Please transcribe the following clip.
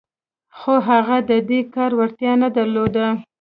خو هغه د دې کار وړتيا نه درلوده.